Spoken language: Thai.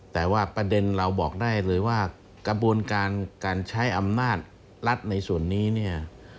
แต่ว่าประเด็นเราบอกได้เลยว่ากระบวนการการใช้อำนาจรัฐในส่วนนี้เนี่ย